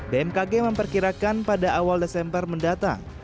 bmkg memperkirakan pada awal desember mendatang